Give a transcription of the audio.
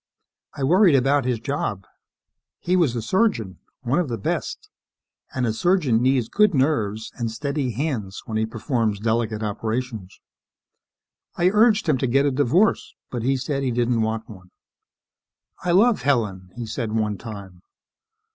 I worried about his job. He was a surgeon one of the best and a surgeon needs good nerves and steady hands when he performs delicate operations. I urged him to get a divorce, but he said he didn't want one. "I love Helen," he said one time.